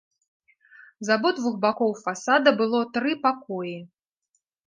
З абодвух бакоў фасада было тры пакоі.